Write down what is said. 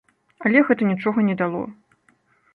Але гэта нічога не дало.